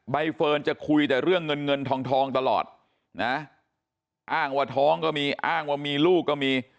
เฟิร์นจะคุยแต่เรื่องเงินเงินทองทองตลอดนะอ้างว่าท้องก็มีอ้างว่ามีลูกก็มี